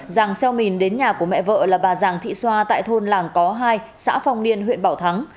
giàng xeo mìn đến nhà của mẹ vợ là bà giàng thị xoa tại thôn làng có hai xã phong niên huyện bảo thắng